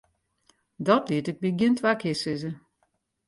Dat liet ik my gjin twa kear sizze.